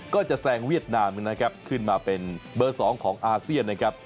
ก็จะแซงเวียดนามนะครับขึ้นมาเป็นเบอร์๒ของอาเซียนนะครับ